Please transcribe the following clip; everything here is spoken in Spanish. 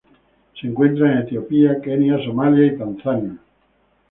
Se encuentra en Etiopía, Kenia, Somalia y Tanzania.